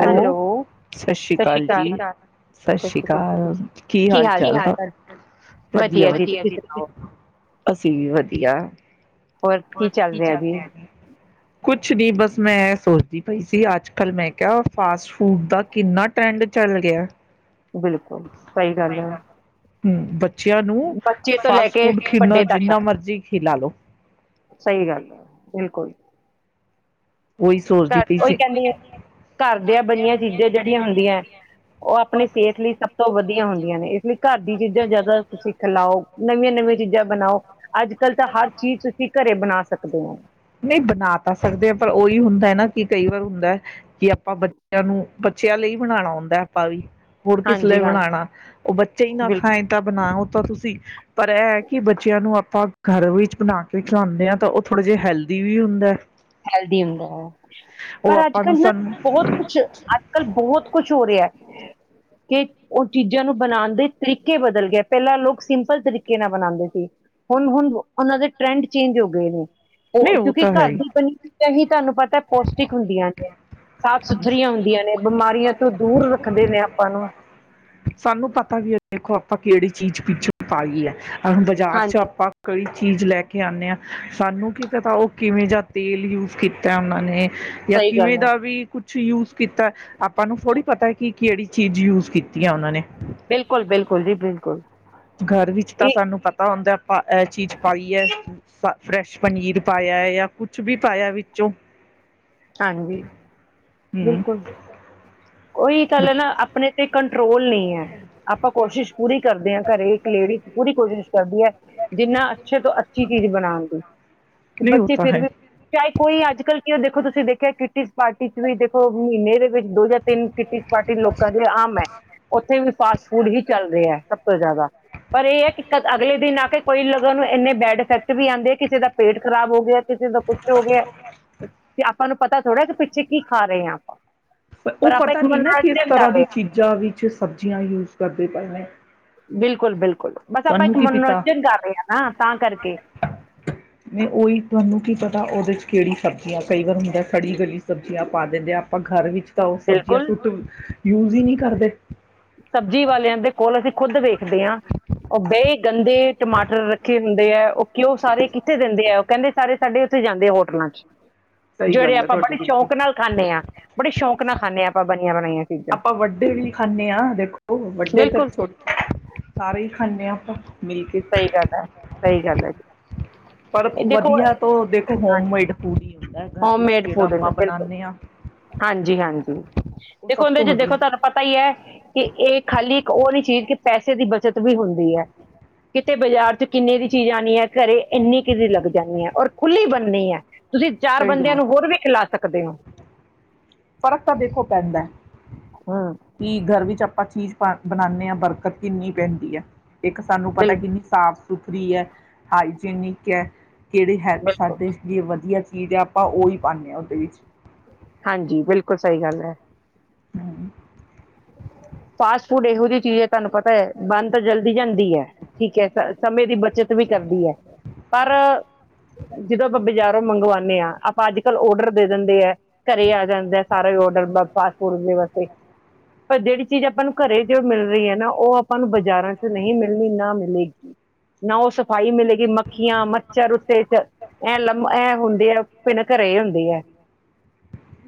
Hello Sat Sri ਅਕਾਲ ਜੀ ਸਤ ਸਤਿ ਸ੍ਰੀ ਸ਼੍ਰੀ ਅਕਾਲ ਕੀ ਹਾਲ ਚਾਲ ਵਧੀਆ ਜੀ ਅਸੀਂ ਵੀ ਵਧੀਆ ਹੋਰ ਕੀ ਚੱਲ ਰਿਹਾ ਜੀ ਕੁਛ ਵੀ ਬਸ ਮੈਂ ਇਹ ਸੋਚਦੀ ਪਈ ਸੀ ਅੱਜ ਕੱਲ ਮੈਂ ਕਿਹਾ ਫਾਸਟ ਫੂਡ ਦਾ ਕਿੰਨਾ ਟਰੈਡ ਚੱਲ ਗਿਆ ਬਿਲਕੁਲ ਸਹੀ ਗੱਲ ਹੈ ਹੁ ਬੱਚ ਬੱਚਿਆਂ ਨੂੰ ਬੱਚੇ ਤੋਂ ਲੈ ਫਾਸਟ ਕੇ ਫੂਡ ਕਿੰਨਾ ਵੱਡੇ ਤੱਕ, ਜਿੰਨਾ ਮਰਜ਼ੀ ਖਿਲਾ ਲਓ ਸਹੀ ਗੱਲ ਬਿਲਕੁਲ ਉਹੀ ਸੋਚਦੀ ਘਰ ਪਈ ਉਹੀ ਸੀ ਕਹਿੰਦੇ ਘਰਦਿਆਂ ਬਣੀਆਂ ਚੀਜ਼ਾਂ ਜਿਹੜੀਆਂ ਹੁੰਦੀਆਂ ਉਹ ਆਪਣੀ ਸਿਹਤ ਲਈ ਸਭ ਤੋਂ ਵਧੀਆ ਹੁੰਦੀਆਂ ਨੇ ਇਸ ਲਈ ਘਰ ਦੀਆਂ ਚੀਜ਼ਾਂ ਜ਼ਿਆਦਾ ਤੁਸੀ ਖਿਲਾਓ, ਨਵੀਆਂ ਨਵੀਆਂ ਚੀਜ਼ਾਂ ਬਣਾਓ ਅੱਜ ਕੱਲ ਤਾਂ ਹਰ ਚੀਜ਼ ਤੁਸੀਂ ਘਰੇ ਬਣਾ ਸਕਦੇ ਹੋ ਨਹੀਂ ਬਣਾ ਤਾਂ ਸਕਦੇ ਆ ਪਰ ਉਹੀ ਹੁੰਦਾ ਨਾ ਕਿ ਕਈ ਵਾਰ ਹੁੰਦਾ ਕਿ ਆਪਾਂ ਬੱਚਿਆਂ ਨੂੰ ਬੱਚਿਆਂ ਲਈ ਬਣਾਉਣਾ ਹੁੰਦਾ ਪਾਈ ਹੁਣ ਹਾਂਜੀ, ਕਿਸਲੇ ਹਾਂ, ਬਣਾਣਾ ਉਹ ਬੱਚੇ ਹੀ ਨਾ ਬਿਲਕੁਲ ਖਾਏ ਤਾਂ ਬਣਾ ਤੁਸੀਂ- ਪਰ ਇਹ ਹੈ ਕਿ ਬੱਚਿਆਂ ਨੂੰ ਆ ਘਰ ਵਿੱਚ ਬਣਾ ਕੇ ਖਿਲਾਦੇ ਆ ਤਾਂ ਉਹ ਥੋੜੇ ਜਿਹੇ ਹੈਲਦੀ ਵੀ ਹੁੰਦਾ ਹੈਲਦੀ ਹੁੰਦਾ ਉਹ ਪਰ ਅੱਜ ਆਪਾਂ ਨੂੰ ਕੱਲ ਨਾ ਸਾਨੂੰ ਬਹੁਤ ਕੁਝ ਅੱਜਕੱਲ ਬਹੁਤ ਕੁਝ ਹੋ ਰਿਹਾ- [unintelligible] ਚੀਜਾਂ ਨੂੰ ਬਣਾਉਣ ਦੇ ਬਦਲ ਗਿਆ ਪਹਿਲਾਂ ਲੋਕ ਸਿੰਪਲ ਤਰੀਕੇ ਨਾਲ ਬਣਾਉਂਦੇ ਸੀ ਹੁਣ ਹੁਣ ਉਹਨਾਂ ਦੇ ਟਰੈਂਡ ਚੇਂਜ ਹੋ ਗਏ ਨੇ ਨਹੀਂ ਉਹ ਕਿਉਂਕਿ ਤਾਂ ਹੈ ਘਰ ਹੀ ਦੀ ਇਹੀ ਤੁਹਾਨੂੰ ਪਤਾ ਪੋਜਟਿਕ ਹੁੰਦੀਆਂ ਸਾਫ ਸੁਥਰੀ ਹੁੰਦੀਆਂ ਨੇ ਬਿਮਾਰੀਆਂ ਤੋਂ ਦੂਰ ਰੱਖਦੇ ਨੇ ਆਪਾਂ ਨੂੰ ਸਾਨੂੰ ਪਤਾ ਵੀ ਹੈ ਦੇਖੋ ਆਪਾਂ ਕਿਹੜੀ ਚੀਜ਼ ਆ ਗਈ ਹ ਬਾਜ਼ਾਰ ਚ ਹਾਂਜੀ ਆਪਾਂ ਕੋਈ ਇੰਜ ਲੈ ਕੇ ਆਉਂਦੇ ਆਂ ਸਾਨੂੰ ਕੀ ਪਤਾ ਉਹ ਕਿਵੇਂ ਜਾਂ ਤੇਲ ਯੂਜ ਕੀਤਾ ਉਹਨਾਂ ਨੇ ਸਹੀ ਗੱਲ ਕਿਵੇਂ ਆ ਦਾ ਵੀ ਕੁਛ ਯੂਜ ਕੀਤਾ। ਆਪਾਂ ਨੂੰ ਥੋੜੀ ਪਤੈ ਕਿ ਕਿਹੜੀ ਚੀਜ਼ ਯੂਜ ਕੀਤੀ ਆ ਉਹਨਾਂ ਨੇ। ਬਿਲਕੁਲ ਬਿਲਕੁਲ ਜੀ ਬਿਲਕੁਲ ਘਰ ਵਿੱਚ ਤਾਂ ਇਹ ਸਾਨੂੰ ਪਤਾ ਹੁੰਦਾ ਇਹ ਚੀਜ਼ ਪਾਈ ਹ ਫਰੈਸ਼ ਪਨੀਰ ਪਾਇਆ ਜਾ ਕੁਝ ਵੀ ਪਾਇਆ ਵਿੱਚੋਂ ਹਾਂਜੀ ਹਮ ਬਿਲਕੁਲ- ਕੋਈ ਕਲਰ ਆਪਣੇ ਤੇ ਰੋਲ ਨੀ ਆਪਾਂ ਕੋਸ਼ਿਸ਼ ਪੂਰੀ ਕਰਦੇ ਆਂ ਘਰੇ ਇੱਕ ਲੇਡੀ ਪੂਰੀ ਕੋਸ਼ਿਸ਼ ਕਰਦੀ ਹੈ ।ਜਿੰਨਾ ਅੱਛੇ ਤੋਂ ਅੱਛੀ ਚੀਜ਼ ਬਣਾਉਣ ਦੀ ਤੇ ਨਹੀਂ ਉਹ ਬੱਚੇ ਤਾਂ ਫਿਰ ਹੈ। ਵੀ ਕੋਈ ਅੱਜ ਕੱਲ ਕਿ ਦੇਖੋ ਤੁਸੀਂ ਤੁਸੀਂ ਦੇਖਿਆ ਕਿ ਪਾਰਟੀ ਚ ਵੀ ਦੇਖੋ ਮਹੀਨੇ ਦੇ ਇਕ ਦਿਨ ਵਿੱਚ ਦੋ ਜਾਂ ਤਿੰਨ ਕੀਤੀ ਪਾਰਟੀ ਲੋਕਾਂ ਦੇ ਆਮ ਹੈ ।ਉੱਥੇ ਵੀ ਪਾਸ ਹੁਣ ਵੀ ਚੱਲ ਰਿਹਾ ਸਭ ਤੋਂ ਜ਼ਿਆਦਾ ਪਰ ਇਹ ਹੈ ।ਕਿਤ ਅਗਲੇ ਦਿਨ ਆ ਕੇ ਕੋਈ ਲੋਕਾਂ ਨੂੰੰਨੇ ਬੈਡ ਇਫੈਕਟ ਵੀ ਆਉਂਦੇ ਕਿਸੇ ਦਾ ਪੇਟ ਖਰਾਬ ਹੋ ਗਿਆ। ਕਿਸੇ ਦਾ ਕੁਛ ਹੋ ਗਿਆ ਤੁਹਾਨੂੰ ਪਤਾ ਥੋੜ੍ਹਾ ਕਿ ਪਿੱਛੇ ਕੀ ਖਾ ਰਹੇ ਹਾਂ ਆਪਾਂ ਪਰ ਉਹ ਆਪਾਂ ਪਤਾ ਇੱਕ ਨਹੀਂ ਨਾ ਕਿਸ ਮਨੋਰੰਜਨ ਤਰ੍ਹਾਂ ਕਰ ਦੀ ਰਹੇ ਚੀਜ਼ਾਂ ਵਿੱਚ ਸਬਜ਼ੀਆਂ ਯੂਜ ਕਰਦੇ ਪਏ ਨੇ ਹਾਂ ਬਿਲਕੁਲ ਬਿਲਕਲ ਬਸ ਆਪਾਂ ਤੁਹਾਨੂੰ ਇੱਕ ਕੀ ਪਤਾ। ਮਨੋਰੰਜਨ ਕਰ ਰਹੇ ਹਾਂ ਨਾ ਤਾਂ ਕਰਕੇ ਨਹੀਂ ਉਹੀ ਤੁਹਾਨੂੰ ਕੀ ਪਤਾ ਉਹਦੇ ਚ ਕਿਹੜੀ ਸਬਜ਼ੀਆਂ ਕਈ ਵਾਰ ਹੁੰਦਾ ਸੜੀ ਗਲੀ ਸਬਜ਼ੀਆਂ ਪਾ ਦਿੰਦੇ ਆ ਆਪਾਂ ਘਰ ਵਿੱਚ ਤਾਂ ਉਹ ਸਬਜ਼ੀਆਂ ਬਿਲਕੁਲ ਸੂਟ ਯੂਜ ਹੀ ਨਹੀਂ ਕਰਦੇ ਸਬਜ਼ੀ ਵਾਲਿਆਂ ਦੇ ਕੋਲ ਅਸੀਂ ਖੁਦ ਵੇਖਦੇ ਹਾਂ ਏਡੇ ਗੰਦੇ ਟਮਾਟਰ ਰੱਖੇ ਹੁੰਦੇ ਹੈ, ਉਹ ਕਿਉਂ ਸਾਰੇ ਕਿੱਥੇ ਦਿੰਦੇ ਹੈ ਉਹ ਕਹਿੰਦੇ ਸਾਰੇ ਸਾਡੇ ਉੱਥੇ ਜਾਂਦੇ ਹੋਟਲਾਂ ਚ ਸਹੀ ਜਿਹੜੇ ਗੱਲ ਹੈ ਆਪਾਂ ਤੁਹਾਡੀ ਬੜੇ ਬਿਲਕੁਲ। ਸ਼ੌਂਕ ਨਾਲ ਖਾਂਦੇ ਹਾਂ ਬੜੇ ਸ਼ੌਂਕ ਨਾਲ ਖਾਂਦੇ ਹਾਂ ਆਪਾਂ ਬ ਆਪਾਂ ਵੱਡੇ ਵੀ ਖਾਂਦੇ ਦੇਖੋ ਵੱਡੇ ਤੇ ਬਿਲਕੁਲ ਛੋਟੇ ਸਾਰੇ ਹੀ ਖਾਂਦੇ ਹਾਂ ਆਪਾਂ ਮਿਲ ਕੇ। ਸਹੀ ਗੱਲ ਹੈ, ਸਹੀ ਗੱਲ ਹੈ ਜੀ ਪਰ ਇਹ ਵਧੀਆ ਤੋਂ ਦੇਖੋ ਹੋਮਮੇਡ ਫੂਡ ਹੁੰਦਾ ਘਰ ਹੋਮ ਵਿੱਚ ਮੇਡ ਜਿਹੜਾ ਫੂਡ ਆਪਾਂ ਬਿਲਕੁਲ ਬਣਾਨੇ ਆ ਹਾਂਜੀ, ਹਾਂਜੀ ਉਹ ਦੇਖੋ ਸਭ ਉਹਦੇ ਤੋਂ ਚ ਵਧੀਆ। ਦੇਖੋ ਤੁਹਾਨੂੰ ਪਤਾ ਹੀ ਹੈ ਕਿ ਇਹ ਖਾਲੀ ਇੱਕ ਉਹ ਨੀ ਚੀਜ਼ ਕਿ ਪੈਸੇ ਦੀ ਬੱਚਤ ਵੀ ਹੁੰਦੀ ਹੈ। ਕਿਤੇ ਬਾਜ਼ਾਰ ਚ ਕਿੰਨੇ ਦੀ ਚੀਜ਼ ਆਉਣੀ ਹੈ। ਘਰੇ ਇੰਨੀ ਕੁ ਲੱਗ ਜਾਣੀ ਹੈ, ਔਰ ਖੁੱਲ੍ਹੀ ਬਣਨੀ ਹੈ। ਤੁਸੀਂ ਚਾਰ ਸਹੀ ਬੰਦਿਆਂ ਗੱਲ ਐ। ਨੂੰ ਹੋਰ ਵੀ ਖਿਲਾ ਸਕ [unintelligible] ਕਦੇ ਉਹ ਫ਼ਰਕ ਤਾਂ ਦੇਖੋ ਪੈਂਦਾ ਏ ਹੂੰ ਕੀ ਘਰ ਵਿੱਚ ਆਪਾਂ ਚੀਜ਼ ਬਣਾਉਦੇ ਹਾਂ ਬਰਕਤ ਕਿੰਨੀ ਪੈਂਦੀ ਹੈ। ਇੱਕ ਸਾਨੂੰ ਪਤਾ ਬਿਲਕੁਲ ਕਿੰਨੀ ਸਾਫ਼ ਸੁਪਰੀ ਹੈ ਹਾਈਜਿਨੀ ਕ ਹੈ ਕਿਹੜੇ ਹੈ, ਬਿਲਕੁਲ ਸਾਡੇ ਲਈ ਵਧੀਆ ਕੀਜ਼ ਆਪਾਂ ਉਹੀ ਪਾਉਂਦੇ ਹਾਂ ਉਹਦੇ ਵਿੱਚ ਹਾਂਜੀ ਬਿਲਕੁਲ ਸਹੀ ਗੱਲ ਹੈ। ਹਮ। ਫਾਸਟ ਫੂਡ ਇਹੋ ਜਿਹੀ ਚੀਜ਼ ਹੈ ਤੁਹਾਨੂੰ ਪਤਾ ਹੈ ਬੰਦ ਤਾਂ ਜਲਦੀ ਜਾਂਦੀ ਹੈ, ਠੀਕ ਹੈ। ਸਮੇਂ ਦੀ ਬੱਚਤ ਵੀ ਕਰਦੀ ਹੈ ਪਰ ਜਦੋਂ ਆਪਾਂ ਬਾਜ਼ਾਰੋਂ ਮੰਗਵਾਉਂਦੇ ਹਾਂ ਅੱਜ ਕੱਲ੍ਹ ਔਡਰ ਦੇ ਦਿੰਦੇ ਐ। ਘਰੇ ਆ ਜਾਂਦਾ ਸਾਰਾ ਔਡਰ ਫਾਸਟ ਫੂਡ ਦੇ ਵਾਸਤੇ ਪਰ ਜਿਹੜੀ। ਚੀਜ਼ ਆਪਾਂ ਨੂੰ ਘਰੇ ਜੋ ਮਿਲ ਰਹੀ ਹੈ ਨਾ ਉਹ ਆਪਾਂ ਨੂੰ ਬਾਜ਼ਾਰਾਂ ਚ ਨਹੀਂ ਮਿਲਣੀ ਨਾ ਮਿਲੇਗੀ ਨਾ ਉਹ ਸਫਾਈ ਮਿਲੇਗੀ। ਲੇਕਿਨ ਮੱਖੀਆਂ ਮੱਛਰ ਉੱਤੇ ਚ ਐਂ ਲਮ ਐ ਹੁੰਦੀ ਆ ਭਿਣਕ ਰਹੇ ਹੁੰਦੇ ਆ।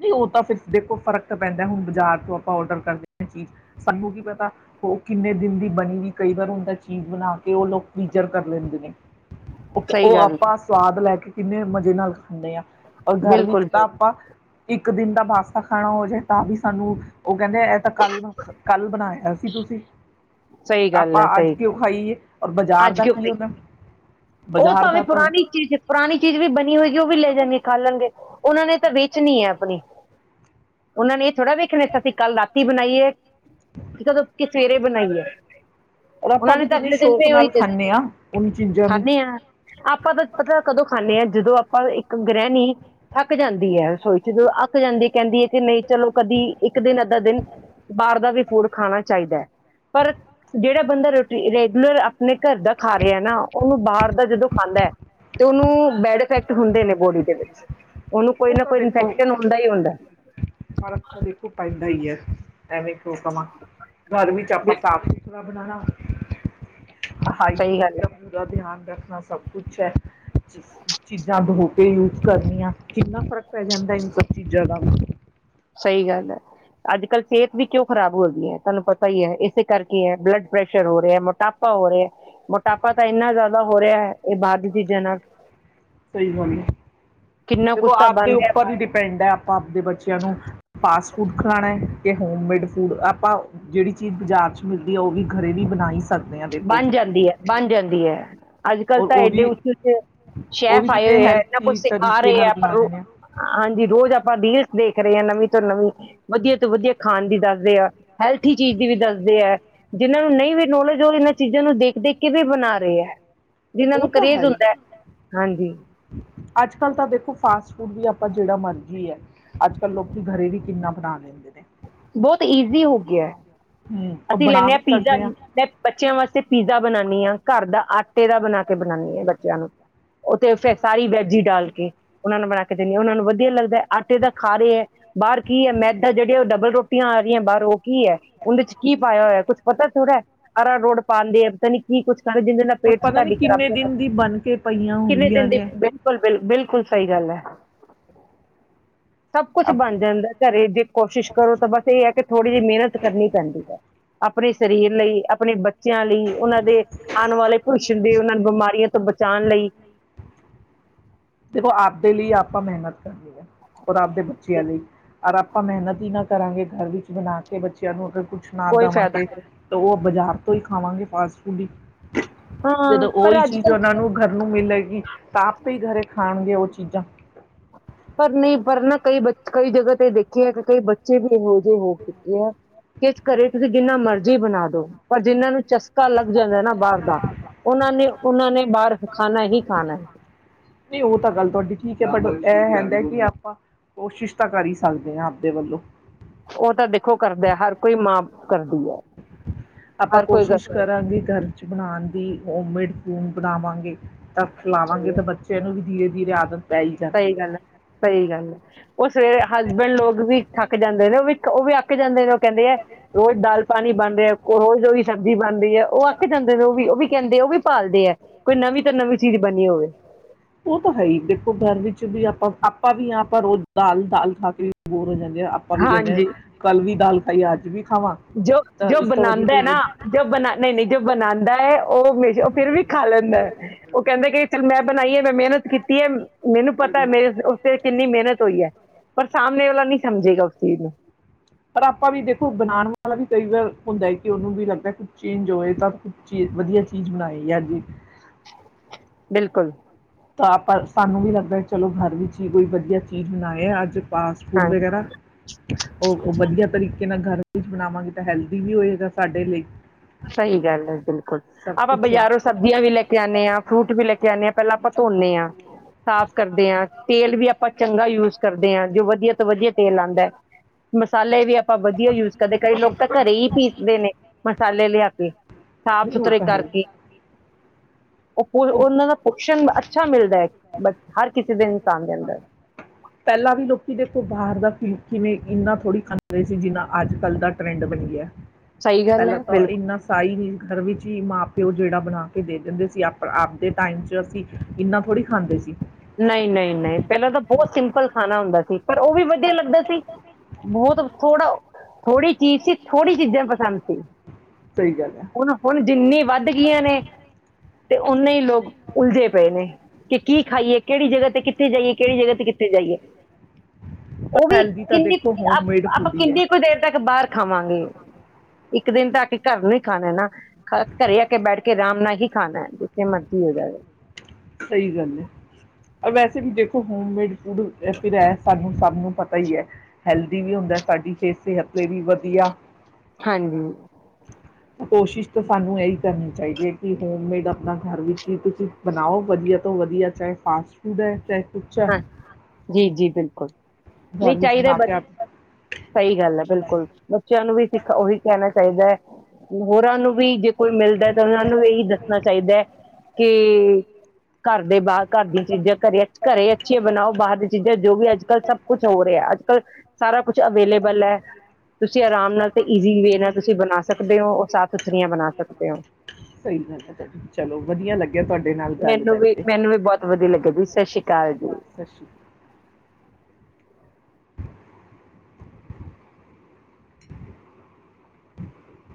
ਨਹੀਂ ਉਹ ਤਾਂ ਫਿਰ ਦੇਖੋ ਫ਼ਰਕ ਪੈਂਦਾ ਹੁਣ ਬਾਜ਼ਾਰ ਤੋਂ ਆਪਾਂ ਓਡਰ ਕਰਦੇ ਹਾਂ ਚੀਜ਼ ਸਾਨੂੰ ਕੀ ਪਤਾ ਉਹ ਕਿੰਨੇ ਦਿਨ ਦੀ ਬਣੀ ਵੀ ਕਈ ਵਾਰ ਹੁੰਦਾ ਚੀਜ਼ ਬਣਾ ਕੇ ਉਹ ਲੋਕ [inaudible] ਕਰ ਲੈਂਦੇ ਨੇ। ਸਹੀ ਉਹ ਗੱਲ ਹੈ ਆਪਾਂ ਸਵਾਦ ਲੈ ਕੇ ਕਿੰਨੇ ਮਜ਼ੇ ਨਾਲ ਖਾਂਦੇ ਆ। ਔਰ ਘਰ ਬਿਲਕੁਲ ਵਿੱਚ ਤਾਂ ਬਿਲਕੁਲ ਆਪਾਂ ਇੱਕ ਦਿਨ ਦਾ ਬਾਸਾ ਖਾਣਾ ਹੋ ਜਾਏ ਤਾਂ ਵੀ ਸਾਨੂੰ ਉਹ ਕਹਿੰਦੇ ਇਹ ਤਾਂ ਕੱਲ ਕੱਲ ਬਣਾਇਆ ਸੀ ਤੁਸੀਂ। ਸਹੀ ਗੱਲ ਆਪਾਂ ਹੈ ਅੱਜ ਸਹੀ ਕਿਉਂ ਗੱਲ। ਖਾਈਏ। ਔਰ ਬਾਜ਼ਾਰ ਅੱਜ ਦਾ ਕਿਉਂ ਖਾਈ ਸਹੀ ਓਦਾ ਉਹ ਭਾਵੇਂ ਪੁਰਾਣੀ ਚੀਜ਼ ਪੁਰਾਣੀ ਚੀਜ਼ ਵੀ ਬਣੀ ਹੋਏਗੀ ਉਹ ਵੀ ਲੈ ਜਾਣੀ ਖਾ ਲੈਣਗੇ ਉਹਨਾਂ ਨੇ ਤਾਂ ਵੇਚਣੀ ਹੈ ਆਪਣੀ ਉਹਨਾਂ ਨੇ ਥੋੜਾ ਵੇਖਣੇ ਅਸੀਂ ਕੱਲ ਰਾਤੀ ਬਣਾਈਏ ਕਦੋਂ ਕਿ ਸਵੇਰੇ ਬਣਾਈਏ। ਔਰ ਆਪਾਂ ਉਹਨਾਂ ਨੇ ਵੀ ਤਾਂ ਕਿੰਨੇ ਸ਼ੌਕ ਨਾਲ ਖਾਣੇ ਆ ਉਹਨ ਚੀਜ਼ਾਂ ਨੂੰ। ਖਾਣੇ ਹਾਂ ਆਪਾਂ ਤਾਂ ਪਤਾ ਕਦੋਂ ਖਾਣੇ ਹਾਂ। ਜਦੋਂ ਆਪਾਂ ਇੱਕ ਗ੍ਰਹਿਣੀ ਥੱਕ ਜਾਂਦੀ ਹੈ ਰਸੋਈ ਚ ਜਦੋਂ ਅੱਕ ਜਾਂਦੀ ਕਹਿੰਦੀ ਹੈ ਕਿ ਨਹੀਂ ਚਲੋ ਕਦੀ ਇੱਕ ਦਿਨ ਅੱਧਾ ਦਿਨ ਬਾਹਰ ਦਾ ਵੀ। ਫੂਡ ਖਾਣਾ ਚਾਹੀਦਾ ਹੈ ਪਰ ਜਿਹੜਾ ਬੰਦਾ ਰੋਟੀ ਰੈਗੂਲਰ ਆਪਣੇ ਘਰ ਦਾ ਖਾ ਰਿਹਾ ਨਾ। ਬਾਹਰ ਦਾ ਜਦੋਂ ਖਾਂਦਾ ਹੈ ਤੇ ਉਹਨੂੰ ਬੈਡ ਇਫੈਕਟ ਹੁੰਦੇ ਨੇ ਬੋਡੀ ਦੇ ਵਿੱਚ। ਉਹਨੂੰ ਕੋਈ ਉਹ ਨਾ ਤਾਂ ਕੋਈ ਦੇਖੋ ਇਨਫੈਕਸ਼ਨ ਹੁੰਦਾ ਹੀ ਹੁੰਦਾ ਫਰਕ ਤਾਂ ਦੇਖੋ ਪੈਂਦਾ ਹੀ ਹੈ। ਐਵੇਂ ਕਿਉਂ ਕਹਾ ਘਰ ਵਿੱਚ ਬਿਲਕੁਲ ਆਪਾਂ ਸਾਫ ਸੁ ਥਰਾ ਬਣਾਉਣਾ। ਸਹੀ ਗੱਲ ਹਾਈਜੀਨਿਕ ਹੈ ਦਾ ਪੂਰਾ ਧਿਆਨ। ਰੱਖਣਾ ਸਭ ਕੁਛ ਹੈ। ਚੀਜ਼ਾਂ ਬਹੁਤ ਯੂਜ ਕਰਨੀ ਆ ਕਿੰਨਾ ਫ਼ਰਕ ਪੈ ਜਾਂਦਾ ਇਹ ਸਭ ਚੀਜ਼ਾਂ ਦਾ ਵੀ। ਸਹੀ ਗੱਲ ਹੈ ਅੱਜ ਕੱਲ ਸਿਹਤ ਵੀ ਕਿਉਂ ਖ਼ਰਾਬ ਹੋ ਗਈ ਹੈ ਤੁਹਾਨੂੰ ਪਤਾ ਹੀ ਹੈ ਇਸੇ ਕਰਕੇ ਹੈ ਬਲੱਡ ਪ੍ਰੈਸ਼ਰ ਹੋ ਰਿਹਾ ਮੋਟਾਪਾ ਹੋ ਰਿਹਾ ਮੋਟਾਪਾ ਤਾਂ ਇੰਨਾ ਜ਼ਿਆਦਾ ਹੋ ਰਿਹਾ ਹੈ ਇਹ ਬਾਹਰ ਦੀ ਚੀਜ਼ਾਂ ਨਾਲ। ਸਹੀ ਗੱਲ ਹੈ, ਕਿੰਨਾ ਦੇਖੋ ਕੁਛ ਤਾਂ ਆਪਦੇ ਬਣ ਉੱਪਰ ਰਿਹਾ ਹੀ ਡਿਪੈਂਡ ਹੈ ਆਪਾਂ ਆਪਦੇ ਬੱਚਿਆਂ ਨੂੰ ਫਾਸਟ ਫੂਡ ਖਾਵਾਣਾ ਤੇ ਹੋਮਮੇਡ ਫੂਡ ਆਪਾਂ ਜਿਹੜੀ ਚੀਜ਼ ਬਾਜ਼ਾਰ ਚ ਮਿਲਦੀ ਆ ਉਹ ਹੀ ਗਰੇ ਨੀ ਬਣਾ ਹੀ ਸ ਬਣ ਜਾਂਦੀ ਐ ਬਣ ਜਾਂਦੀ ਐ। ਅੱਜ ਕੱਲ੍ਹ ਔਰ ਤਾਂ ਉਹ ਐਡੇ ਵੀ ਉੱਚੇ ਉੱਚੇ ਉਹ ਵੀ ਸ਼ੈਫ ਆਏ ਕਿੰਨੇ ਹੋਏ, ਆ ਇਨਾ ਕੁਛ ਹੈਲਥੀ ਸਿਖਾ ਤਰੀਕੇ ਰਹੇ ਨਾਲ ਆ ਪਰ ਰ ਬਣਾਉਂਦੇ ਨੇ। ਹਾਂਜੀ ਰੋਜ਼ ਆਪਾਂ ਰੀਲਸ ਦੇਖ ਰਹੀ ਆ ਨਵੀਂ ਤੋਂ ਨਵੀਂ ਵਧੀਆ ਤੋਂ ਵਧੀਆ ਖਾਣ ਦੀ ਦਾ ਰੇ ਆ, ਹੈਲਥੀ ਚੀਜ਼ ਦੀ ਵੀ ਦੱਸਦੇ ਆ। ਜਿਨਾਂ ਨੂੰ ਨਹੀਂ ਵੀ ਨੌਲੇਜ ਜੋ ਇਹਨਾਂ ਚੀਜ਼ਾਂ ਨੂੰ ਦੇਖ ਦੇਖ ਕੇ ਵੀ ਬਣਾ ਰਹੇ ਹੈ। ਜਿਨਾਂ ਉਹ ਨੂੰ ਤਾਂ ਕਰੇਜ਼ ਹੀ ਹੁੰਦਾ ਹੈ ਹਾਂਜੀ। ਅੱਜ ਕੱਲ ਤਾਂ ਦੇਖੋ, ਫਾਸਟ ਫੂਡ ਵੀ ਆਪਾਂ ਜਿਹੜਾ ਮਰਜ਼ੀ ਐ ਅੱਜ ਕੱਲ ਲੋਕੀ ਗਰੇ ਵੀ ਕਿੰਨਾ ਬਣਾ ਲੈਂਦੇ ਨੇ। ਬਹੁਤ ਈਜ਼ੀ ਹੋ ਗਿਆ। ਹੂੰ ਉਹ ਅਸੀਂ ਬਣਾ ਲੈਂਦੇ ਆ ਪੀਜ਼ਾ ਮੈਂ ਬੱਚਿਆਂ ਵਾਸਤੇ ਪੀਜ਼ਾ ਬਨਾਨੀ ਆ। ਘਰ ਦਾ ਆਟੇ ਦਾ ਬਣਾ ਕੇ ਬਣਾਨੀ ਆ ਬੱਚਿਆਂ ਨੂੰ ਉਥੇ ਸਬਜ਼ੀਆਂ। ਫਿਰ ਸਾਰੀ ਵੈਜੀ ਡਾਲ ਕੇ ਉਹਨਾਂ ਨੂੰ ਬਣਾ ਦੇ ਆ ਉਹਨਾਂ ਨੂੰ ਵਧੀਆ ਲੱਗਦਾ ਐ। ਆਟੇ ਦਾ ਖਾ ਰਹੇ ਐ ਬਾਹਰ ਕੀ ਹੈ ਮੈਦਾ ਜਿਹੜੇ ਉਹ ਡਬਲ ਰੋ ਟੁੱਟੀਆਂ ਆ ਰਹੀਆਂ ਬਾਰੋ ਕੀ ਹੈ, ਉਹਦੇ ਚ ਕੀ ਪਾਇਆ ਹੋਇਆ, ਕੁਛ ਪਤਾ ਥੋੜਾ ਅਰਾ ਰੋਡ ਪਾਉਂਦੇ ਪਤਾ ਨੀ ਕੀ ਕੁਛ ਸਾਰੇ ਜਿੰਦੇ ਨਾਲ ਪੇਟ ਚ ਤੁਹਾਡੀ ਖ਼ਰਾਬੀ ਹੋ ਦਿਨ ਦੀ ਬਣ ਕੇ ਪਈਆਂ ਕਿੰਨੇ ਹੁੰਦੀਆਂ ਦਿਨ ਦੀ ਬਿਲਕੁਲ ਬਿਲੁ ਬਿਲਕੁਲ ਸਹੀ ਗੱਲ ਹੈ। ਸਭ ਕੁਛ ਅਪ ਬਣ ਜਾਂਦਾ ਘਰੇ ਜੇ ਕੋਸ਼ਿਸ਼ ਕਰੋ, ਤਾਂ ਬਸ ਇਹ ਹੈ ਕਿ ਥੋੜ੍ਹੀ ਜਿਹੀ ਮਿਹਨਤ ਕਰਨੀ ਪੈਂਦੀ। ਆਪਣੇ ਸਰੀਰ ਲਈ ਆਪਣੇ ਬ ਬੱਚਿਆ ਲਈ ਉਹਨਾ ਦੇ ਆਣ ਵਾਲੇ [unintelligible] ਬਿਮਾਰੀਆ ਤੋ ਬ ਜਾਣ ਲਈ। ਦੇਖੋ, ਆਪਦੇ ਲਈ ਆਪਾਂ ਮਿਹਨਤ ਔਰ ਆਪਦੇ ਬੱਚਿਆਂ ਲਈ ਅਰ ਆਪਾਂ ਮਿਹਨਤ ਹੀ ਨਾ, ਕਰਾਂਗੇ ਘਰ ਵਿੱਚ ਬਣਾ ਕੇ ਬੱਚਿਆਂ ਨੂੰ ਅਗਰ ਕੁਛ ਨਾ ਕੋਈ ਫਾਇਦਾ ਦੇਵਾਂਗੇ, ਨਹੀਂ ਤਾਂ ਉਹ ਬਾਜ਼ਾਰ ਤੋਂ ਹੀ ਖਾਵਾਂਗੇ ਫਾਸਟ ਫੂਡ ਹੀ, ਹਾਂ ਜਦੋਂ ਉਹੀ ਪਰ ਅੱਜ ਚੀਜ਼ ਕੱਲ ਉਹਨਾਂ ਨੂੰ ਗਰ ਨੂੰ ਮਿਲੇਗੀ, ਤਾਂ ਆਪੇ ਹੀ ਗਰੇ, ਖਾਣਗੇ ਉਹ ਚੀਜ਼ਾਂ ਪਰ ਨਹੀਂ ਪਰ ਨਾ ਕਈ ਬੱਚ ਕਈ ਜਗ੍ਹਾ ਤੇ ਦੇਖੇ ਐ ਕਿ ਕਈ ਬੱਚੇ ਵੀ ਇ ਤੇ ਹੋ ਚੁੱਕੇ ਆ ਕਿਸ ਕਰੇ ਤੁਸੀਂ ਜਿੰਨਾ ਮਰਜ਼ੀ ਬਣਾ ਦੋ। ਪਰ ਜਿਹਨ੍ਹਾਂ ਨੂੰ ਚਸ ਕਾ ਲੱਗ ਜਾਵੇ ਨਾ ਬਾਹਰ ਦਾ ਉਹਨਾਂ ਨੇ ਉਹਨਾਂ ਨੇ ਬਾਹਰ ਖਾਣਾ ਹੀ ਖਾਣਾ ਹੈ। ਨਹੀਂ ਭੈਣਜੀ ਆਪਾਂ ਕੋਸ਼ਿਸ਼ ਤਾਂ ਕਰ ਹੀ ਸਕਦੇ ਹਾਂ ਆਪਦੇ ਵੱਲੋਂ। ਉਹ ਤਾਂ ਦੇਖੋ ਕਰਦਾ ਹੈ ਹਰ ਕੋਈ ਮਾਂ ਕਰਦੀ ਹੈ। ਆਪਾਂ ਹਰ ਕੋਈ ਕੋਸ਼ਿਸ਼ ਕਰਦਾ ਕਰਾਂਗੇ ਘਰ ਚ ਬਣਾਉਣ ਦੀ। ਹੋਮਮੇਡ ਫੂਨ ਬਣਾਵਾਂਗੇ। ਤਾਂ ਖਿਲਾਵਾਂਗੇ ਤਾਂ ਬੱਚੇ ਨੂੰ ਹੀ। ਧੀਰੇ ਧੀਰੇ ਆਦਤ ਪੈ ਹੀ ਸਹੀ ਜਾਂਦੀ ਗੱਲ ਹੈ ਸਹੀ ਗੱਲ ਹੈ ਉਹ ਸਵੇਰੇ ਹਸਬੈਂਡ ਲੋਗ ਵੀ ਠੱਕ ਜਾਂਦੇ ਨੇ ਉਹ ਵੀ ਉਹ ਵੀ ਅਕ ਜਾਂਦੇ ਨੇ। ਕਹਿੰਦੇ ਹੈ ਰੋਜ਼ ਦਾਲ ਪਾਣੀ ਬਣਦੇ ਹੈ ਕ ਰੋਜ਼ ਉਹ ਹੀ ਸਬਜ਼ੀ ਬਣਦੀ ਹੈ ਉਹ ਅਕ ਜਾਂਦੇ ਨੇ ਉਹ ਵੀ ਉਹ ਵੀ ਕਹਿੰਦੇ ਉਹ ਵੀ ਭਾਲਦੇ ਹੈ ਕੋਈ ਨਵੀਂ ਤੋਂ ਨਵੀਂ ਚੀਜ਼ ਬਣੀ ਹੋਵੇ। ਉਹ ਤਾਂ ਹੈ ਹੀ ਦੇਖੋ ਘਰ ਵਿੱਚ ਵੀ ਆਪਾਂ ਆਪਾਂ ਵੀ ਹਾਂ ਆਪਾਂ ਰੋਜ਼ ਦਾਲ ਦਾਲ ਖਾ ਕੇ ਵੀ ਬੋਰ ਹੋ ਜਾਂਨੇ ਆਪਾਂ ਵੀ ਕਹਿੰਦੇ ਹਾਂ ਹਾਂਜੀ ਕਲ ਵੀ ਦਾਲ ਖਾਈਏ ਅੱਜ ਵੀ। ਖਾਵਾਂ ਜੋ ਤਾਂ ਜੋ ਇਸ ਤੋਂ ਵਧੀਆ ਬਣਾਉਂਦਾ ਕੋਈ ਏ ਨਾ ਵਜ- ਜੋ ਬਣਾ ਨਹੀਂ ਨਹੀਂ ਜੋ ਬਣਾਉਂਦਾ ਹੈ ਉਹ ਹਮੇਸ਼ਾ ਉਹ ਫਿਰ ਵੀ ਖਾ ਲੈਂਦਾ ਉਹ ਕਹਿੰਦਾ ਏ ਕਿ ਚੱਲ ਮੈਂ ਬਣਾਈ ਏ ਮੈਂ ਮਿਹਨਤ ਕੀਤੀ ਹੈ। ਮੈਨੂੰ ਪਤਾ ਏ ਮੇਰੇ ਉਸ ਤੇ ਕਿੰਨੀ ਮਿਹਨਤ ਕੋਈ ਹੈ ਪਰ ਸਾਹਮਣੇ ਵਾਲਾ ਨਹੀ ਸਮਝੇਗਾ ਉਸ ਚੀਜ਼ ਨੂੰ। ਪਰ ਆਪਾਂ ਵੀ ਦੇਖੋ ਬਣਾਉਣ ਵਾਲਾ ਵੀ ਕਈ ਵਾਰ ਹੁੰਦਾ ਹੈ ਕਿ ਉਹਨੂੰ ਵੀ ਲੱਗਦਾ ਏ ਕੁਛ ਚੇਂਜ ਹੋਵੇ ਤਾਂ ਕੁਛ ਚੀ ਵਧੀਆ ਚੀਜ਼ ਬਣਾਏ ਅਜ। ਬਿਲਕੁਲ। ਤਾਂ ਆਪਾਂ ਸਾਨੂੰ ਵੀ ਲੱਗਦਾ ਏ ਚਲੋ ਘਰ ਵਿੱਚ ਹੀ ਕੋਈ ਵਧੀਆ ਚੀਜ਼ ਬਣਾਏ ਅੱਜ। ਫਾਸਟ ਫੂਡ ਹਾਂ ਵਗੈਰਾ ਉਹ ਉਹ ਵਧੀਆ ਤਰੀ ਮੈਂ ਘਰ ਵਿੱਚ ਬਣਾਵਾਂਗੀ ਤਾਂ ਹੈਲਦੀ ਵੀ ਹੋਏਗਾ ਸਾਡੇ ਲਈ। ਸਹੀ ਗੱਲ ਹੈ ਬਿਲਕੁਲ ਸਭ ਆਪਾਂ ਕੁਛ ਹੈ। ਬਾਜ਼ਾਰੋਂ ਸਬਜ਼ੀਆਂ ਵੀ ਲੈ ਕੇ ਆਉਂਣੇ ਹਾਂ ਫਰੂਟ ਵੀ ਲੈ ਕੇ ਆਉਂਣੇ ਹਾਂ ਪਹਿਲਾਂ ਆਪਾਂ ਧੋਨੇ ਹਾਂ, ਸਾਫ਼ ਕਰਦੇ ਹਾਂ। ਤੇਲ ਵੀ ਆਪਾਂ ਚੰਗਾ ਯੂਜ ਕਰਦੇ ਹਾਂ ਜੋ ਵਧੀਆ ਤੋਂ ਵਧੀਆ ਤੇਲ ਆਉਂਦਾ ਹੈ ਮਸਾਲੇ ਵੀ ਆਪਾਂ ਵਧੀਆ ਯੂਜ ਕਰਦੇ ਕਈ ਲੋਕ ਤਾਂ ਘਰੇ ਹੀ ਪੀਸਦੇ ਨੇ ਮ [unintelligible] ਸਾਫ-ਸੁਥਰੇ ਕਰਕੇ। ਉਹਨਾਂ ਦਾ ਪੋਸ਼ਣ ਅੱਛਾ, ਮਿਲਦਾ ਹੈ ਬਟ ਹਰ ਕਿਸੇ ਦੇ, ਇਨਸਾਨ ਦੇ ਅੰਦਰ ਪਹਿਲਾਂ ਵੀ ਲੋਕੀ ਦੇਖੋ ਬਾਹਰ ਦਾ ਕਿ ਕਿਵੇਂ ਇੰਨਾ ਥੋੜ੍ਹੀ ਖਾਂਦੇ ਸੀ। ਜਿੰਨਾ ਅੱਜ ਕੱਲ੍ਹ ਦਾ ਟਰੈਂਡ ਬਣ ਗਿਆ। ਸਹੀ ਗੱਲ ਹੈ ਪਹਿਲਾਂ ਤਾਂ ਬਿਲਕੁਲ ਇੰਨਾ ਸਾ ਹੀ ਨਹੀਂ। ਘਰ ਵਿੱਚ ਹੀ ਮਾਂ ਪਿਓ ਜਿਹੜਾ ਬਣਾ ਕੇ ਦੇ ਦਿੰਦੇ ਸੀ ਆਪ ਆਪਦੇ ਟਾਈਮ ਚ ਅਸੀਂ ਇੰਨਾ ਥੋੜ੍ਹੀ ਖਾਂਦੇ ਸੀ। ਨਹੀਂ ਨਹੀਂ ਨਹੀਂ ਪਹਿਲਾਂ ਤਾਂ ਬਹੁਤ ਸਿੰਪਲ ਹੈਨਾ ਹਮ। ਹੈਸੀ ਪਰ ਉਹ ਵੀ ਵਧੀਆ ਲੱਗਦਾ ਸੀ। ਬਹੁਤ ਥੋੜਾ, ਥੋੜ੍ਹੀ ਚੀਜ਼ ਸੀ। ਥੋੜ੍ਹੀ ਚੀਜ਼ਾਂ ਪਸੰਦ ਸੀ। ਸਹੀ ਗੱਲ ਹੈ ਹੁਣ ਹੁਣ ਜਿੰਨੀ ਵੱਧ ਗਈਆਂ ਨੇ ਤੇ ਉਨੇ ਹੀ ਲੋਕ ਉਲਝੇ ਪਏ ਨੇ ਕਿ ਕੀ ਖਾਈਏ। ਕਿਹੜੀ ਜਗ੍ਹਾ ਤੇ ਕਿੱਥੇ ਜਾਈਏ ਕਿਹੜੀ ਜਗ੍ਹਾ ਤੇ ਕਿੱਥੇ ਜਾਈਏ ਉਹ ਪਰ ਵੀ ਹੈਲਦੀ ਤਾਂ ਕਿੰਨੀ ਕੁ ਦੇਖੋ ਆਪ ਹੋਮਮੇਡ ਆਪਾਂ ਫੂਡ ਹੀ ਹੈ ਕਿੰਨੀ ਕੁ ਦੇਰ ਤੱਕ ਬਾਹਰ ਖਾਵਾਂਗੇ। ਇੱਕ ਦਿਨ ਤਾਂ ਆਕੇ ਘਰ ਨੂੰ ਹੀ ਖਾਣੇ ਨਾ। ਘਰੇ ਆ ਕੇ ਬੈਠ ਕੇ ਆਰਾਮ ਨਾਲ ਹੀ। ਖਾਣਾ ਏ ਜਿੱਥੇ ਮਰਜ਼ੀ ਹੋ ਜਾਵੇ। ਸਹੀ ਗੱਲ ਹੈ। ਵੈਸੇ ਵੀ ਦੇਖੋ। ਹੋਮਮੇਡ ਫੂਡ ਫਿਰ ਐ ਸਾਨੂੰ ਸਭ ਨੂੰ ਪਤਾ ਹੀ ਹੈ। ਹੈਲਦੀ ਵੀ ਹੁੰਦਾ ਸਾਡੀ ਸਿਹਤ ਲਈ ਵੀ ਵਧੀਆ। ਹਾਂਜੀ। ਕੋਸ਼ਿਸ਼ ਤਾਂ ਸਾਨੂੰ ਇਹੀ ਕਰਨੀ ਚਾਹੀਦੀ ਐ। ਕਿ ਹੋਮਮੇਡ ਆਪਣਾ ਘਰ ਵਿੱਚ ਹੀ ਤੁਸੀਂ ਬਣਾਓ ਵਧੀਆ ਤੋਂ ਵਧੀਆ ਚਾਹੇ ਫਾਸਟ ਫੂਡ ਐ ਚਾਹੇ ਕੁਛ ਹੈ ਹਾਂ, ਜੀ ਜੀ ਬਿਲਕੁਲ ਘਰ ਨਹੀਂ ਵਿੱਚ ਚਾਹੀਦਾ ਬਣਾ ਬ ਕੇ ਆਪ ਸਹੀ ਗੱਲ ਹੈ। ਬਿਲਕੁਲ ਬੱਚਿਆਂ ਨੂੰ ਵੀ ਸਿੱਖ ਉਹੀ ਕਹਿਣਾ ਚਾਹੀਦਾ ਐ। ਹੋਰਾਂ ਨੂੰ ਵੀ ਜੇ ਕੋਈ ਮਿਲਦੈ ਤਾਂ ਉਹਨਾਂ ਨੂੰ ਇਹੀ ਦੱਸਣਾ ਚਾਹੀਦਾ ਹੈ। ਕਿ ਘਰ ਦੇ ਬਾਹਰ ਘਰ ਦੀਆਂ ਚੀਜ਼ਾਂ ਘਰੀਆਂ ਅੱਛੀਆਂ ਬਣਾਓ ਬਾਹਰ ਦੀ ਚੀਜ਼ਾਂ ਜੋ ਵੀ ਅੱਜ ਕੱਲ੍ਹ ਸਭ ਕੁੱਛ ਹੋ ਰਿਹਾ। ਅੱਜ ਕੱਲ੍ਹ ਸਾਰਾ ਸਬ ਕੁਛ ਅਵੇਲੇਬਲ ਐ ਤੁਸੀਂ ਆਰਾਮ ਨਾਲ ਈਜ਼ੀ ਵੇ ਨਾਲ ਤੁਸੀਂ ਬਣਾ ਸਕਦੇ ਹੋ ਉਹ ਸਾਥ ਪਥਰੀਆਂ ਬਣਾ ਸਕਦੇ ਹੋ। ਸਹੀ ਗੱਲ ਹੈ ਚਲੋ ਵਧੀਆ ਲੱਗ ਮੈਨੂੰ ਵੀ ਮੈਨੂੰ ਵੀ ਬਹੁਤ ਵਧੀਆ ਲੱਗਿਆ ਜੀ। ਸਤਿ ਸ੍ਰੀ ਅਕਾਲ ਜੀ। ਸਤਿ ਸ਼੍ਰੀ ਅਕਾਲ